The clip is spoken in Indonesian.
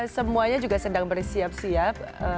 semuanya juga sedang bersiap siap